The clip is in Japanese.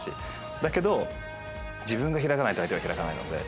だけど自分が開かないと相手は開かないので。